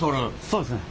そうですね。